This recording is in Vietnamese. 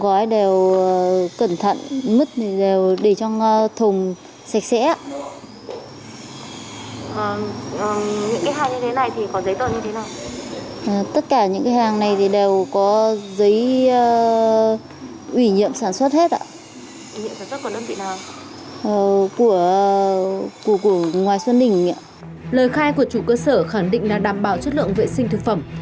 lời khai của chủ cơ sở khẳng định là đảm bảo chất lượng vệ sinh thực phẩm